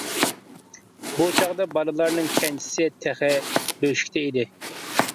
بۇ چاغدا بالىلارنىڭ كەنجىسى تېخى بۆشۈكتە ئىدى.